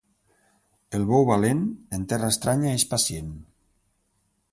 El bou valent, en terra estranya és pacient.